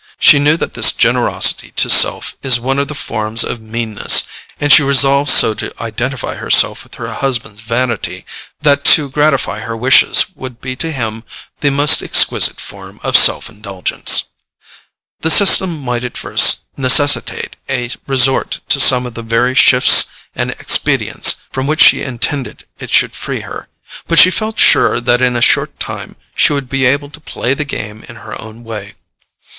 She knew that this generosity to self is one of the forms of meanness, and she resolved so to identify herself with her husband's vanity that to gratify her wishes would be to him the most exquisite form of self indulgence. The system might at first necessitate a resort to some of the very shifts and expedients from which she intended it should free her; but she felt sure that in a short time she would be able to play the game in her own way.